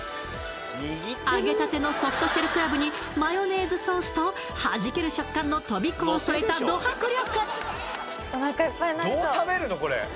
揚げたてのソフトシェルクラブにマヨネーズソースとはじける食感のとびこを添えたド迫力。